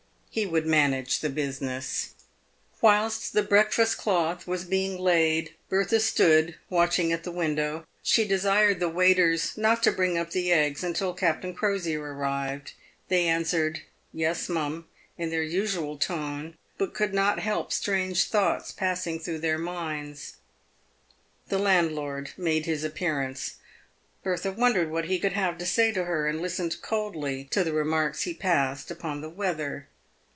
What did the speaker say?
He would manage the business. "Whilst the breakfast cloth was being laid, Bertha stood watching at the window. She desired the waiters " not to bring up the eggs" until Captain Crosier arrived. They answered, " Yes, mum," in their usual tone, but could not help strange thoughts passing through their minds. The landlord made his appearance. Bertha wondered what he could have to say to her, and listened coldly to the remarks lie passed upon the weather.